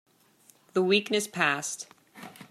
The weakness passed.